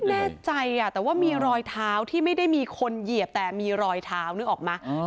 แน่ใจแต่ว่ามีรอยเท้าที่ไม่ได้มีคนเหยียบแต่มีรอยเท้านึกออกไหม